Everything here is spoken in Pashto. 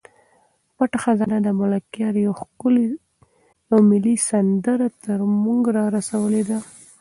پټه خزانه د ملکیار یوه ملي سندره تر موږ را رسولې ده.